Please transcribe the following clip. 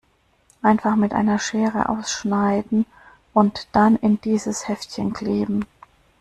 Einfach mit einer Schere ausschneiden und dann in dieses Heftchen kleben.